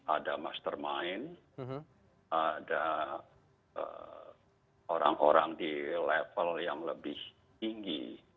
ada mastermind ada orang orang di level yang lebih tinggi